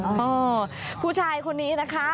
เออผู้ชายคนนี้นะคะ